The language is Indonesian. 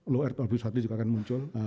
leo ertolpiswati juga akan muncul